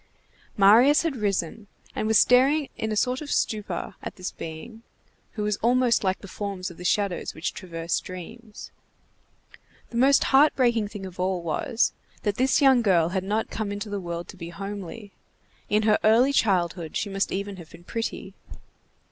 Marius had risen, and was staring in a sort of stupor at this being, who was almost like the forms of the shadows which traverse dreams. The most heart breaking thing of all was, that this young girl had not come into the world to be homely. In her early childhood she must even have been pretty.